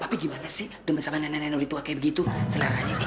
tapi gimana sih dengan sama nenek nenek ulitua kayak begitu selera aja nih